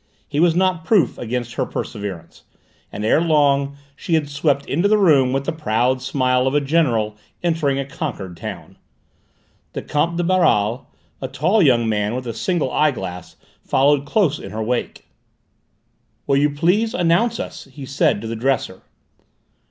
He was not proof against her perseverance, and ere long she had swept into the room with the proud smile of a general entering a conquered town. The Comte de Baral, a tall young man with a single eyeglass, followed close in her wake. "Will you please announce us," he said to the dresser.